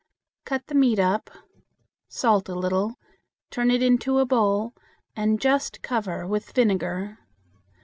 Cut the meat up, salt a little, turn it into a bowl, and just cover with vinegar.